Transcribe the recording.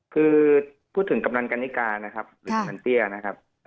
คือพูดถึงกับบรรณกรรณิการนะครับหรือบรรณเตี้ยนะครับ